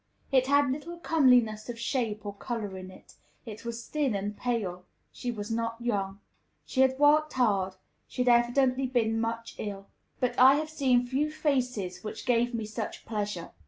It had little comeliness of shape or color in it, it was thin, and pale; she was not young; she had worked hard; she had evidently been much ill; but I have seen few faces which gave me such pleasure.